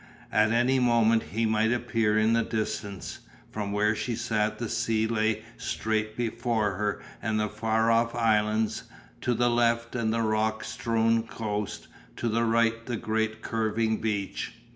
At any moment he might appear in the distance. From where she sat the sea lay straight before her and the far off islands, to the left the rock strewn coast, to the right the great curving beach.